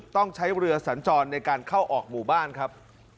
ต้องใช้เรือสัญจรในการเข้าออกหมู่บ้านครับ